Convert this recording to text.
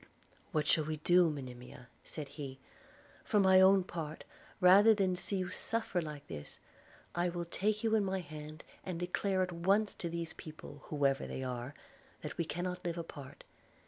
'What shall we do, Monimia?' said he. 'For my own part, rather than see you suffer this, I will take you in my hand, and declare at once to these people, whoever they are, that we cannot live apart.